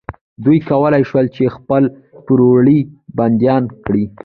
دوی کولی شول چې خپل پوروړي بندیان کړي.